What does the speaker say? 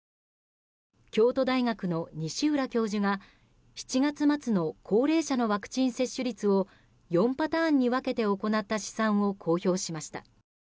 京都大学の西浦教授が７月末の高齢者のワクチン接種率を４パターンに分けて行った試算を公表しました。